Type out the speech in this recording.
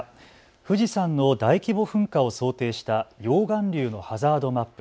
富士山の大規模噴火を想定した溶岩流のハザードマップ。